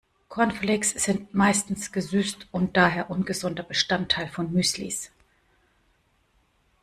Cornflakes sind meistens gesüßt und daher ungesunder Bestandteil von Müslis.